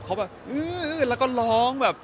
เขาแบบอื้อแล้วก็ร้องแบบ